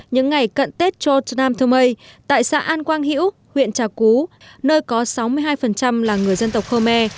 những ngày cận tết trôn nam thơ mây tại xã an quang hữu huyện trà cú nơi có sáu mươi hai là người dân tộc khơ me